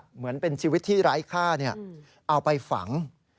เหมือนเป็นชีวิตที่ไร้ค่าเอาไปฝัง